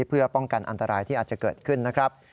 เพื่อป้องกันอันตรายที่อาจจะเกิดขึ้นนะครับ